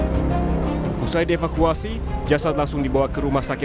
setelah dievakuasi jasad langsung dibawa ke rumah sakit